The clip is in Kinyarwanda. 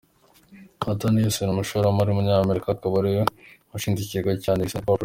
Arthur Nielsen, umushoramari w’umunyamerika, akaba ariwe washinze ikigo cya Nielsen Corp.